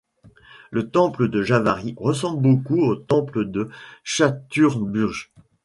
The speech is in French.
Le temple de Javari ressemble beaucoup au temple de Chaturbhuj.